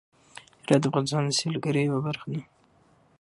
هرات د افغانستان د سیلګرۍ یوه برخه ده.